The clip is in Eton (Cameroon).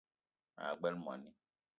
Maa gbele moni